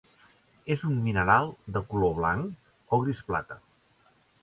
És un mineral de color blanc o gris plata.